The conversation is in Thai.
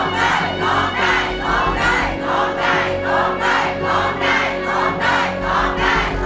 ร้องได้ร้องได้ร้องได้ร้องได้